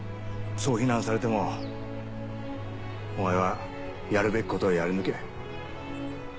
そう非難されてもお前はやるべきことをやりぬけ。